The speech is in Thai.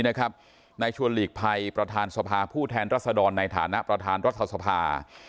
นายชวนหลีกภัยประธานสภาผู้แทนรัศดรในฐานะประธานรัฐสภา